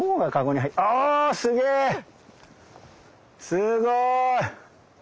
すごい！